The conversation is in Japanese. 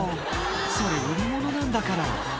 「それ売り物なんだから」